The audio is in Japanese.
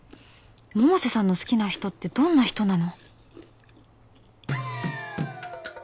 百瀬さんの好きな人ってどんな人なの？